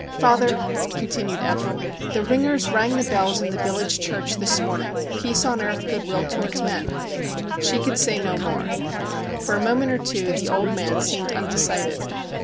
' Father,' continued Ethel, ' the ringers rang the bells in the village church this morning. " Peace on earth, goodwill to wards men."' She could say no more. For a moment or two the old man seemed undecided.